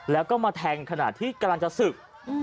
แล้วก็มาแทงขณะที่กำลังจะศึก